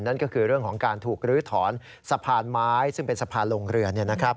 นั่นก็คือเรื่องของการถูกลื้อถอนสะพานไม้ซึ่งเป็นสะพานลงเรือ